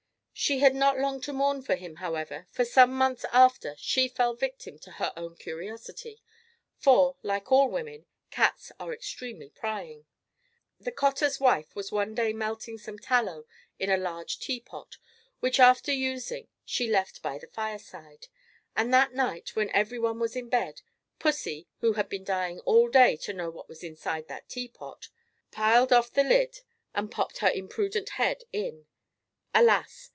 She had not long to mourn for him however, for some months after she fell a victim to her own curiosity; for, like women, cats are extremely prying. The cottar's wife was one day melting some tallow in a large tea pot, which after using she left by the fire side; and that night, when every one was in bed, pussy, who had been dying all day to know what was inside that tea pot, "pirled" off the lid and popped her imprudent head in. Alas!